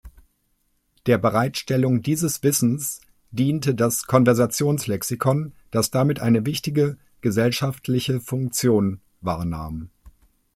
Der Bereitstellung dieses Wissens diente das Konversationslexikon, das damit eine wichtige gesellschaftliche Funktion wahrnahm.